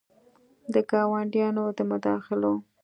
د ګاونډیانو د مداخلو